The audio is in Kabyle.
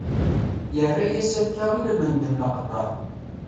Yerra-as akka ilmend n leqder.